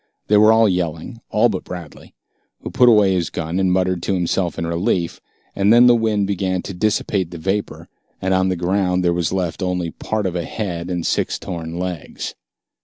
They were all yelling, all but Bradley, who put away his gun and muttered to himself in relief, and then the wind began to dissipate the vapor, and on the ground there was left only part of a head and six torn legs.